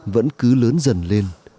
vẫn cứ lớn dần lên